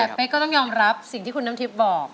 แต่เป๊กก็ต้องยอมรับสิ่งที่คุณน้ำทิพย์บอก